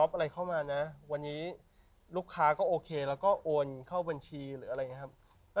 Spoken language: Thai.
อะไรเข้ามานะวันนี้ลูกค้าก็โอเคแล้วก็โอนเข้าบัญชีหรืออะไรอย่างนี้ครับ